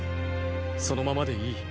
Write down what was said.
そのままでいい。